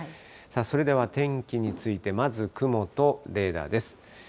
それでは天気について、まず雲とレーダーです。